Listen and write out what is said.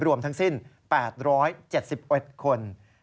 รวมทั้งสิ้น๘๗๑คน